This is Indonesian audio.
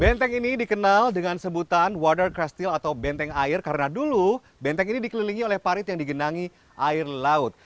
benteng ini dikenal dengan sebutan water crastil atau benteng air karena dulu benteng ini dikelilingi oleh parit yang digenangi air laut